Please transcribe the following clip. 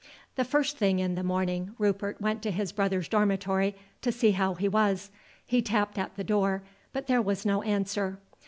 The first thing in the morning Rupert went to his brother's dormitory to see how he was. He tapped at the door, but there was no answer.